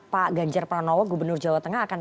pak ganjar pranowo gubernur jawa tengah akan